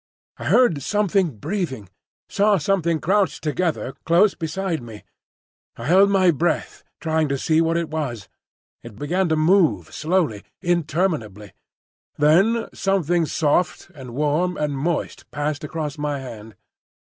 I heard something breathing, saw something crouched together close beside me. I held my breath, trying to see what it was. It began to move slowly, interminably. Then something soft and warm and moist passed across my hand.